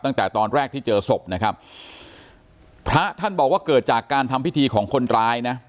ตั้งแต่ตอนแรกที่เจอศพนะครับพระท่านบอกว่าเกิดจากการทำพิธีของคนร้ายนะ